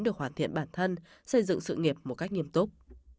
được hoàn thiện bản thân xây dựng sự nghiệp một cách nghiêm túc